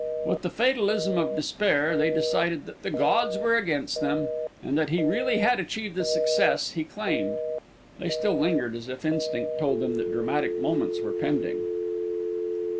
With the fatalism of despair they decided that the gods were against them, and that he really had achieved the success he claimed. They still lingered, as if instinct told them that dramatic moments were pending.